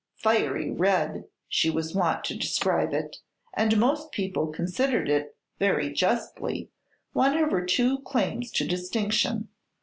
"Fiery red" she was wont to describe it, and most people considered it, very justly, one of her two claims to distinction.